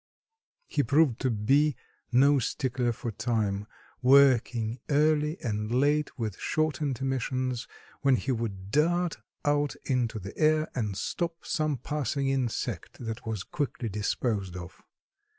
He proved to be no stickler for time, working early and late with short intermissions, when he would dart out into the air and stop some passing insect that was quickly disposed of.